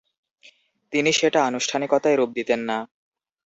তিনি সেটা আনুষ্ঠানিকতায় রূপ দিতেন না।